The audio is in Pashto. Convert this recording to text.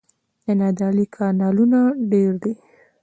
د نادعلي کانالونه ډیر دي